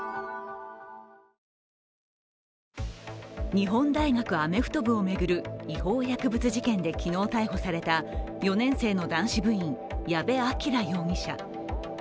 日本大学アメフト部を巡る違法薬物事件で昨日逮捕された４年生の男子部員、矢部鑑羅容疑者。